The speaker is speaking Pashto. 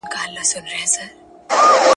اختلافات د مجلسونو ترمنځ څنګه حلیږي؟